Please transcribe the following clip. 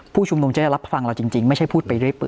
ผู้ชุมนุมจะได้รับฟังเราจริงไม่ใช่พูดไปด้วยปืน